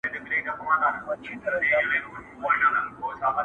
پټول به یې د ونو شاته غاړه!!